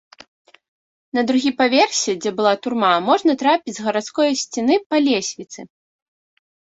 На другі паверсе, дзе была турма, можна трапіць з гарадской сцены па лесвіцы.